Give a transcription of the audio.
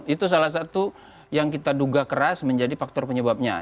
itu salah satu yang kita duga keras menjadi faktor penyebabnya